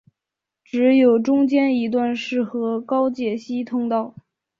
只有中间一段适合高解析通道。